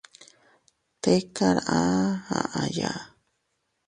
Tkar aa aʼaya.